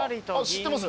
知ってます？